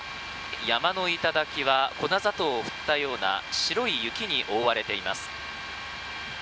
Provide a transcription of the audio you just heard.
山の頂は粉砂糖を振ったような白い雪に覆われています。